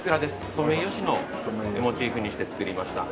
ソメイヨシノをモチーフにして作りました。